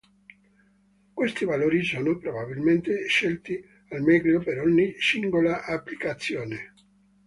Questi valori sono probabilmente scelti al meglio per ogni singola applicazione.